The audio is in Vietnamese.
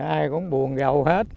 ai cũng buồn gầu hết